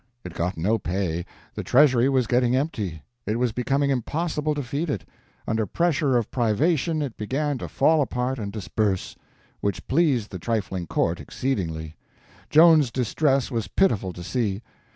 It got no pay, the treasury was getting empty, it was becoming impossible to feed it; under pressure of privation it began to fall apart and disperse—which pleased the trifling court exceedingly. Joan's distress was pitiful to see.